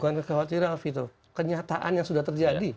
bukan kekhawatiran alfi itu kenyataan yang sudah terjadi